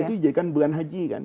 itu dijadikan bulan haji kan